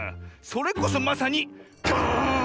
それこそまさに「ガーン！」